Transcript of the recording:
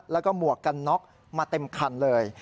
แล้วก็หมวกกันน็อกมาเต็มคันเลย